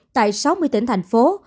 tại sáu mươi tỉnh thành phố